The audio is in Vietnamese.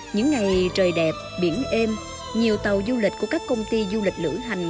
những ngày trời đẹp biển êm nhiều tàu du lịch của các công ty du lịch lửa hành